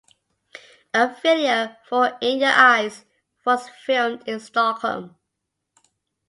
A video for "In Your Eyes" was filmed in Stockholm.